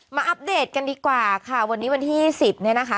อัปเดตกันดีกว่าค่ะวันนี้วันที่สิบเนี่ยนะคะ